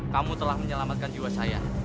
kamu telah menyelamatkan jiwa saya